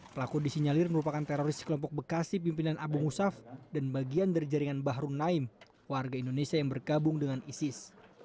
pelaku disinyalir merupakan teroris kelompok bekasi pimpinan abu musaf dan bagian dari jaringan bahru naim warga indonesia yang bergabung dengan isis